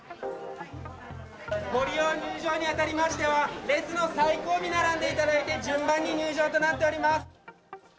ご利用、入場にあたりましては、列の最後尾、並んでいただいて、順番に入場となっております。